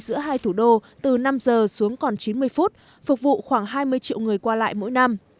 giữa hai thủ đô từ năm giờ xuống còn chín mươi phút phục vụ khoảng hai mươi triệu người qua lại mỗi năm